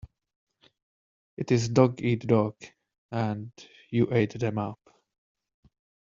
It is dog eat dog, and you ate them up.